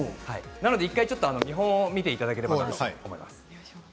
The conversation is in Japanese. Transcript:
一度、見本を見ていただければなと思います。